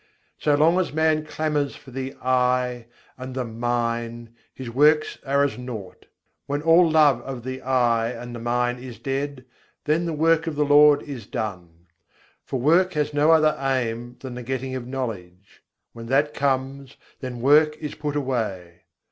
So long as man clamours for the I and the Mine, his works are as naught: When all love of the I and the Mine is dead, then the work of the Lord is done. For work has no other aim than the getting of knowledge: When that comes, then work is put away.